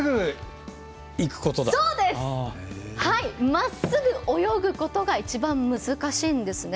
まっすぐ泳ぐことが一番難しいんですね。